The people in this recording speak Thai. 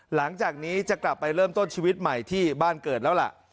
หลังจากนี้จะกลับไปเริ่มต้นชีวิตใหม่ที่บ้านเกิดแล้วล่ะ